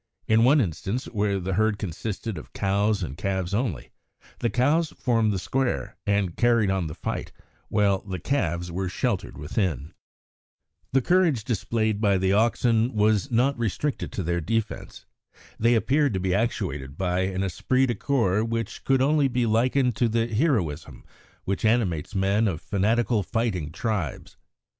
In one instance, where the herd consisted of cows and calves only, the cows formed the square and carried on the fight while the calves were sheltered within. The courage displayed by the oxen was not restricted to their defence. They appeared to be actuated by an esprit de corps which could only be likened to the heroism which animates men of fanatical fighting tribes.